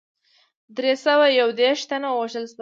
دری سوه یو دېرش تنه وژل شوي.